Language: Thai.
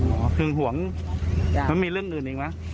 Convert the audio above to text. หึงห่วงมันมีเรื่องอื่นอีกไหม